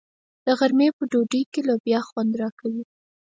د غرمې په ډوډۍ کې لوبیا خوند راکوي.